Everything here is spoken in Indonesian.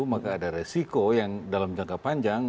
maka ada resiko yang dalam jangka panjang